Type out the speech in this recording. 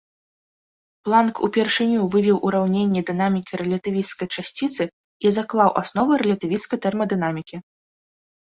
Планк упершыню вывеў ураўненні дынамікі рэлятывісцкай часціцы і заклаў асновы рэлятывісцкай тэрмадынамікі.